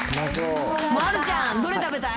丸ちゃん、どれ食べたい？